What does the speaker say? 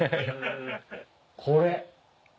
これ。